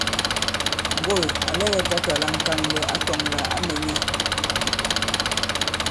Ŋgoỳ à lɛgɛ tǎtà la ŋ̀kànlɛ̀ ǎ tɔ̄ŋ lā ǎ nɛ̄ nyɛ̄.